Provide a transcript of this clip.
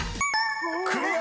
［クリア！］